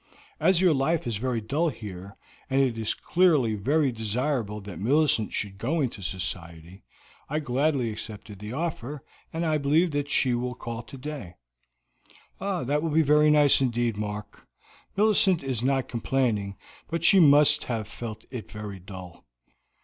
As your life is very dull here, and it is clearly very desirable that Millicent should go into society, I gladly accepted the offer, and I believe that she will call today." "That will be very nice indeed, Mark. Millicent is not complaining, but she must have felt it very dull.